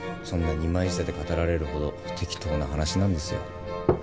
そんな二枚舌で語られるほど適当な話なんですよ。